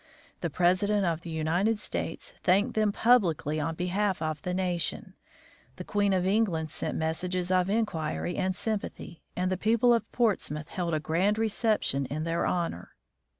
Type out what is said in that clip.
The President of the United States thanked them publicly on behalf of the nation, the Queen of England sent messages of inquiry and sympathy, and the people of Portsmouth held a grand reception in their honor.